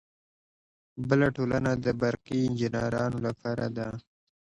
بله ټولنه د برقي انجینرانو لپاره ده.